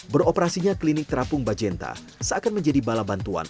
beroperasinya klinik terapung bajenta seakan menjadi bala bantuan